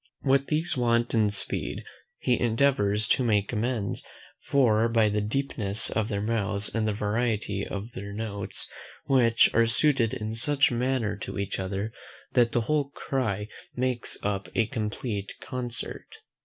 What these want in speed, he endeavours to make amends for by the deepness of their mouths and the variety of their notes, which are suited in such manner to each other, that the whole cry makes up a complete concert.